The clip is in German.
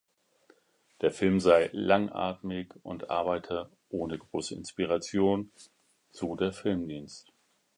Der Film sei "„langatmig“" und arbeite "„ohne große Inspiration“", so der film-dienst.